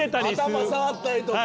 頭触ったりとか。